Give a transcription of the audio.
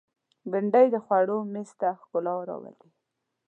بېنډۍ د خوړو مېز ته ښکلا راولي